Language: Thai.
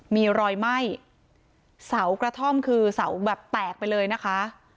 มีรอยไหม้เสากระท่อมคือเสาแบบแตกไปเลยนะคะ